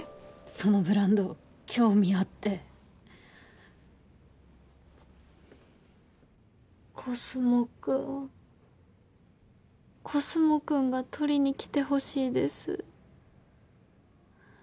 そのブランド興味あってコスモくんコスモくんが取りに来てほしいです